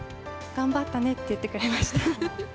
頑張ったねって言ってくれま